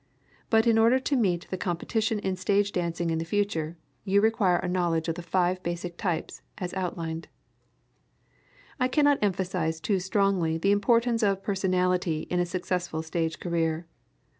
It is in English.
But in order to meet the competition in stage dancing in the future, you require a knowledge of the five basic types, as outlined. I cannot emphasize too strongly the importance of personality in a successful stage career.